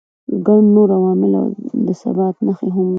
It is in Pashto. ګڼ نور عوامل او د ثبات نښې هم وي.